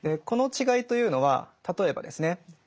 この違いというのは例えばですね